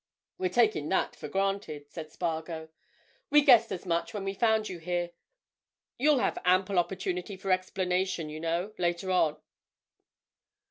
"We're taking that for granted," said Spargo. "We guessed as much when we found you here. You'll have ample opportunity for explanation, you know, later on."